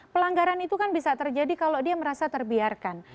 pelanggaran itu kan bisa terjadi kalau dia merasa terbiarkan